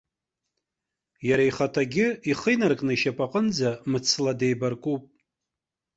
Иара ихаҭагьы, ихы инаркны ишьапаҟынӡа мцла деибаркуп.